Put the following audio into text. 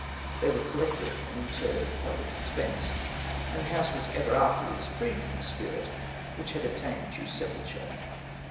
They were collected and interred at the public expense, and the house was ever afterwards free from the spirit, which had obtained due sepulture.